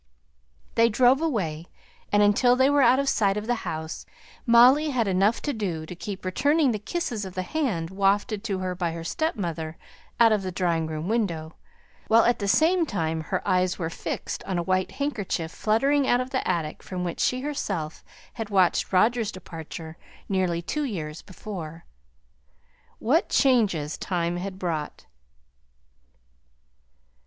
They drove away, and until they were out of sight of the house, Molly had enough to do to keep returning the kisses of the hand wafted to her by her stepmother out of the drawing room window, while at the same time her eyes were fixed on a white handkerchief fluttering out of the attic from which she herself had watched Roger's departure nearly two years before. What changes time had brought!